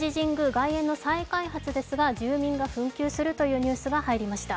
外苑の再開発ですが住民が紛糾するというニュースが入りました。